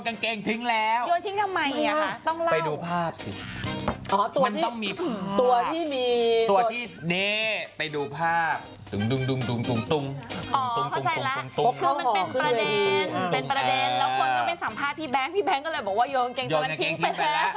ทุกคนกำลังไปสัมภาษณ์พี่แบงค์พี่แบงค์ก็เลยบอกว่าโยงกางเกงกันทิ้งไปแล้ว